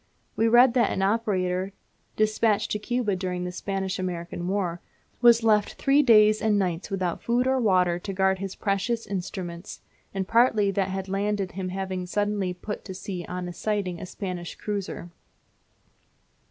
We read that an operator, despatched to Cuba during the Spanish American War was left three days and nights without food or water to guard his precious instruments, the party that had landed him having suddenly put to sea on sighting a Spanish cruiser.